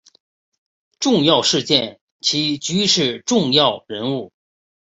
重要事件及趋势重要人物